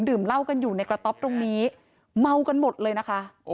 เหล้ากันอยู่ในกระต๊อบตรงนี้เมากันหมดเลยนะคะ